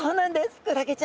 クラゲちゃん。